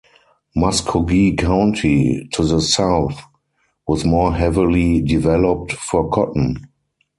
Muscogee County, to the south, was more heavily developed for cotton.